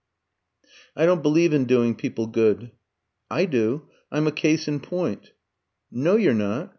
"I don't believe in doing people good." "I do. I'm a case in point." "No, you're not."